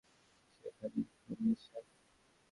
সে এখানেই ঘুমিয়েছে!